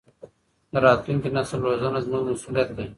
د راتلونکي نسل روزنه زموږ مسؤلیت دی.